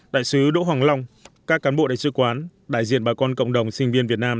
đại sứ đỗ hoàng long các cán bộ đại sứ quán đại diện bà con cộng đồng sinh viên việt nam